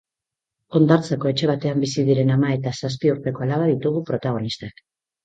Hondartzako etxe batean bizi diren ama eta zazpi urteko alaba ditugu protagonistak.